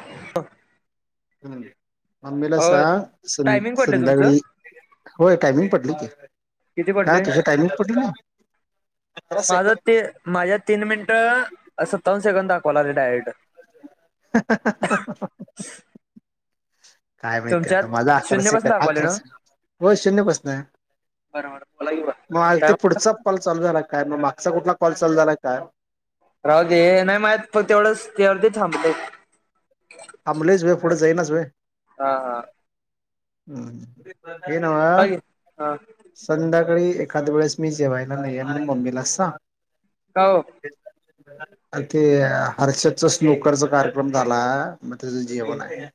[unintelligible] मम्मीला अ सांग सं टायमिंग पडले तुमचं संध्याकाळी होय टायमिंग पडली की. किती का पडले तुझ्या टाइमिंग पडलं नाय सतरा सेकंद. माझ्यात तीन मिनिटं सत्तावन्न सेकंड दाखवायला लागले डायरेक्ट. [unintelligible] [unintelligible] काय माहितीय तुमच्यात आता माझा अकरा शून्यपासून सेकंड दाखवाले अकरा ना से हो शून्यपासन आहे. [unintelligible] पुढचा कॉल चालू झाला काय मग मागचा कुठला कॉल चालू झाला काय. राहूदे हे नाही माहित पण तेवढंच तुझ्यावर ते थांबलेत. थांबलेच व्हय पुढं जायनाच व्हय. हा हा. हम्म हे का नव्हं. की हा संध्याकाळी एखाद वेळेस मी जेवायला नाहीये हे मम्मीला सांग. का ओ. ते हर्षदचा स्नोकरचा कार्यक्रम झाला म त्याचा जेवण आहे.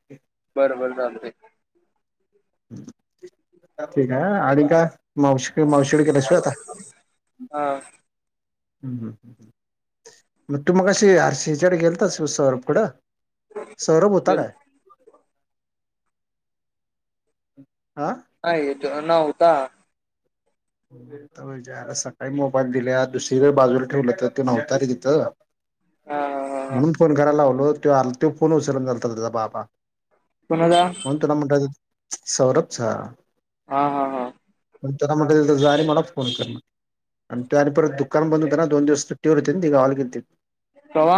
बरं बरं चालतंय. ठीक आहे आणि काय मावशी क मावशीकडे गेल्याशिवाय आता? हा. हम्म हम्म मग तू मगाशी अरशी हिच्याकडे गेलतास सौरभ कडं? सौरभ होता गेल काय? हा. आय तो नव्हता. [unintelligible] आता सकाळी मोबाईल दिलेया दुसरीकडे बाजूला ठेवला तो नव्हता ते तिथं. हा हा हा म्हणून फोन करायला लावलो ते आल त्यो फोन उचलन नलता त्याचा बाबा. कुणाचा म्हणून तुला [unintelligible] सौरभ चा. हा हा हा. मंग त्याला म्हटलं डायरेक्ट मला फोन करणार. आणि तो आणि परत दुकान बंद होतं ना दोन दिवस सुट्टीवर होते ना ते गावाला गेलते. कवा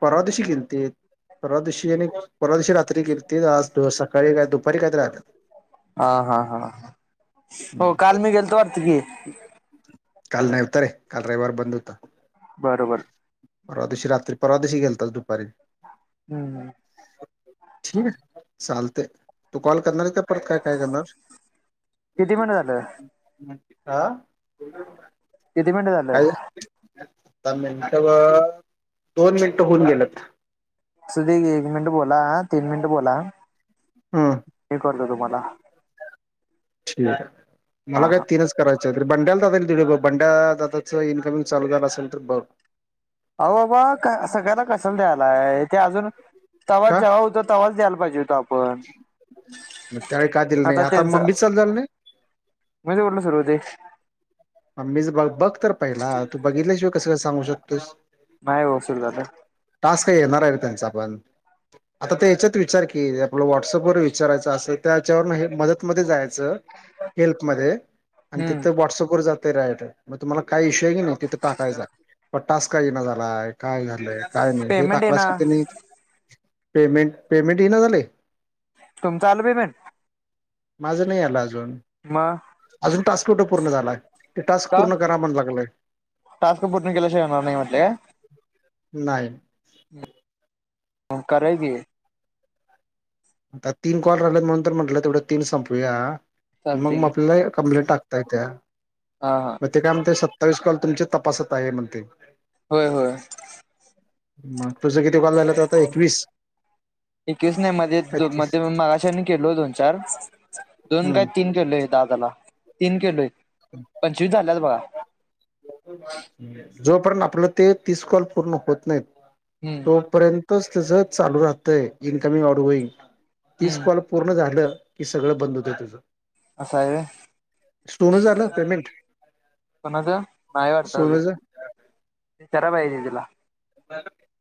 परवा दिवशी गेलते परवा दिवशी आणि परवा दिवशी रात्री गेलेते तर आज तो सक काळी काय दुपारी काहीतरी दुपारी आले. हा हा हा हो काल मी गेलतो वरती की. काल नव्हतं रे काल रविवार बंद होतं. बरोबर. परवा दिवशी रात्री परवा दिवशी गेलता दुपारी. हम्म हम्म. [unintelligible] ठेवू काय चालते तू कॉल करणार आहे का परत का काय करणार? किती महिने झालं? अंकिता किती मिनिटं झालं काय आता मिनिटं बघ दोन मिनिट होऊन गेलेत असुदे की एक मिंट बोला तीन मिंट बोला हम्म मी करतो तुम्हाला ठीक हाय हा मला काय हा तीनच करायच तरी बंड्याला दादा दिलोय बघ बड्या दादाचं इनकमिंग चालू झालं असेल तर बघ अवो बाबा सगळ्याला कशाला द्यायला ते अजून तवा जेव्हा होत तवाचं द्यायला पाहिजे होतो आपण म त्यावेळी काय दिलं नाही आता मम्मीच चालू झालं नाही माझ्यावरणच राहू दे मम्मीच बघ बघ तर पहिला तू बघितल्याशिवाय कसं काय सांगू शकतोयस नाही वसूल झालं टास्क का येणार आहे रे त्यांचा पण आता ते याच्यात विचार की आपल व्हॉट्सअपवर विचारायचं असं ते त्या याच्यावरन हे मदतमध्ये जायचं हेल्पमध्ये आणि हम्म तिथे व्हाट्सअप वर जातंय डायरेक्ट म तुम्हाला काय इशू हाय किणी तिथं टाकायचा म टास्क का इना झालाय काय झालंय काय नाही हे पेमेंट आहे टाकलास ना की त्यांनी पेमेंट पेमेंट इना झालय तुमचं आलं पेमेंट माझं नाही आलं अजून मग अजून टास्क कुठं पूर्ण झालाय ते टास्क का पूर्ण करा म्हणा लागलंय टास्क पूर्ण केल्याशिवाय येणार नाय म्हटले नाही मग करूया की आता तीन कॉल राहीलेत म्हणून तर म्हटलं तेवढ तीन संपवूया चालते मग की म्हटलय कंप्लेंट टाकत्या हा हा म तिथ आमचे सत्तावीस कॉल तुमचे तपासात आहे म्हणतंय होय होय मग तुझं किती कॉल झाल्यात आता एकवीस एकवीस नाही मध्ये दो एकतीस मध्ये मगाशी आणि केलो दोन चार दोन काय हम्म तीन केलोय दादाला तीन केलोय [unintelligible] पंचवीस झाल्यात बघा जोपर्यंत आपलं ते तीस कॉल पूर्ण होत नाहीत हू तोपर्यंतच तसं चालू राहतय इनकमिंग आउटगोइंग तीस हम्म कॉल पूर्ण झालं की सगळ बंद होतय तुझ असं आहे व्हय सुरू झालं पेमेंट कुणाच नाही अजून सोनूच विचाराय पाहिजे दीदीला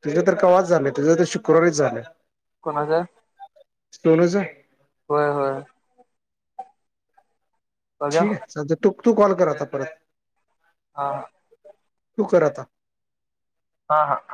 तुझं तर कवाच झालंय तुझं तर शुक्रवारीच झालंय कोणाच सोनूच होय होय बघूया ठीक आहे चालत तू तू कॉल कर आता परत हा तू कर आता हा हा